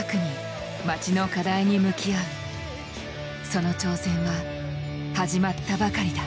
その挑戦は始まったばかりだ。